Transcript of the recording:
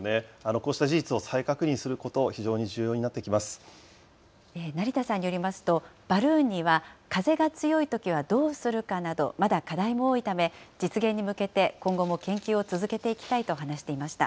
こうした事実を再確認すること、成田さんによりますと、バルーンには風が強いときはどうするかなど、まだ課題も多いため、実現に向けて今後も研究を続けていきたいと話していました。